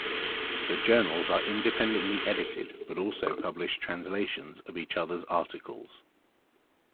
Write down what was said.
The journals are independently edited, but also publish translations of each other's articles.